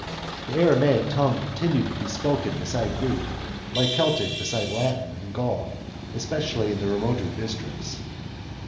The Aramaic tongue continued to be spoken beside Greek, like Celt'C beside Latin in Gaul, especially in the remoter districts.